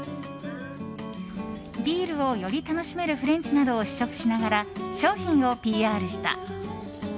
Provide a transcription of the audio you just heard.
ビールをより楽しめるフレンチなどを試食しながら商品をＰＲした。